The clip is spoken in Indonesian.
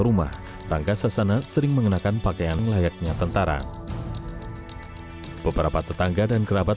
rumah rangga sasana sering mengenakan pakaian layaknya tentara beberapa tetangga dan kerabat